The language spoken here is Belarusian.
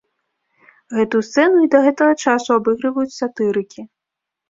Гэтую сцэну і да гэтага часу абыгрываюць сатырыкі.